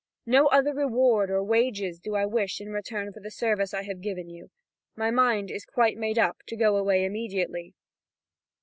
No other reward or wages do I wish in return for the service I have given you. My mind is quite made up to go away immediately."